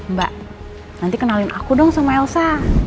mbak nanti kenalin aku dong sama elsa